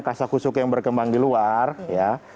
kasah kusuk yang berkembang di luar ya